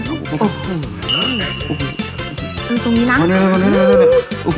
ตรงนี้นะ